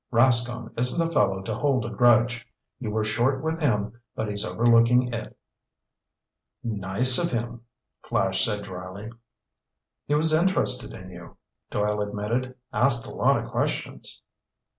"Rascomb isn't a fellow to hold a grudge. You were short with him but he's overlooking it." "Nice of him," Flash said dryly. "He was interested in you," Doyle admitted. "Asked a lot of questions."